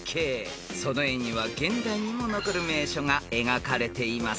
［その絵には現代にも残る名所が描かれています］